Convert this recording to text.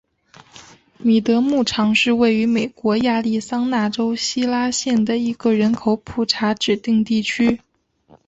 米德牧场是位于美国亚利桑那州希拉县的一个人口普查指定地区。